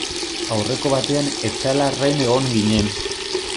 Aurreko batean Etxalarren egon ginen.